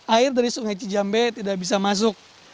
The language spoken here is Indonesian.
air dari sungai cijambe tidak bisa masuk